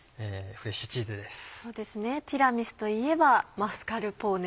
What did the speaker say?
そうですねティラミスといえばマスカルポーネ。